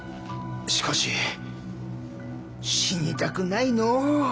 しかし死にたくないのう。